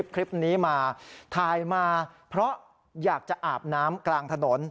คลิปนี้มาถ่ายมาเพราะอยากจะอาบน้ำกลางถนน